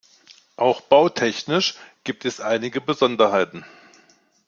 Auch bautechnisch gibt es einige Besonderheiten.